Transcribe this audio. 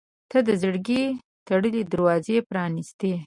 • ته د زړګي تړلې دروازه پرانستې.